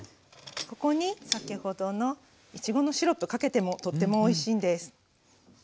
ここに先ほどのいちごのシロップかけてもとってもおいしいんです。